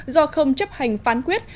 do không chấp hành phán quyết